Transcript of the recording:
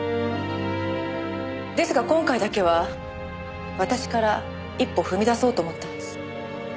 ですが今回だけは私から一歩踏み出そうと思ったんです。